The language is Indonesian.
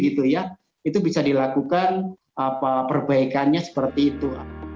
itu bisa dilakukan perbaikannya seperti itu